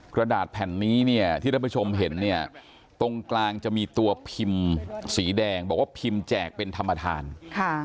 กระดาษแผ่นนี้เนี่ยที่ท่านผู้ชมเห็นเนี่ยตรงกลางจะมีตัวพิมพ์สีแดงบอกว่าพิมพ์แจกเป็นธรรมทานค่ะ